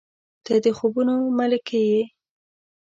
• ته د خوبونو ملکې یې.